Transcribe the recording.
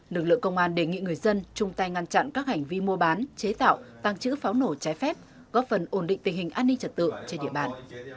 lực lượng công an đề nghị người dân chung tay ngăn chặn các hành vi mua bán chế tạo tăng trữ pháo nổ trái phép góp phần ổn định tình hình an ninh trật tự trên địa bàn